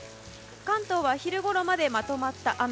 関東は、昼ごろまでまとまった雨。